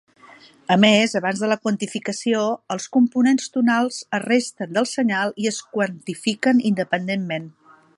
A més, abans de la quantificació, els components tonals es resten del senyal i es quantifiquen independentment.